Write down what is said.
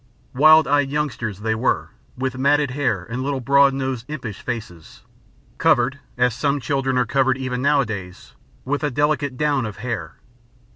Wild eyed youngsters they were, with matted hair and little broad nosed impish faces, covered (as some children are covered even nowadays) with a delicate down of hair.